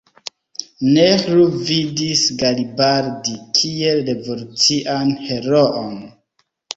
Nehru vidis Garibaldi kiel revolucian heroon.